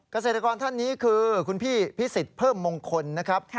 เกษตรกรท่านนี้คือคุณพี่พิสิทธิ์เพิ่มมงคลนะครับ